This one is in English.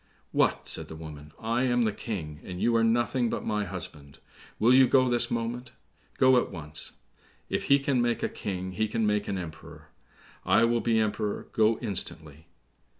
"What!" said the woman, "I am the King, and you are nothing but my husband; will you go this moment? go at once! If he can make a King he can make an emperor. I will be Emperor; go instantly."